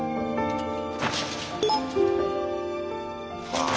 ああ。